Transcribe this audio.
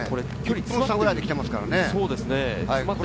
１分差ぐらいできてますからね。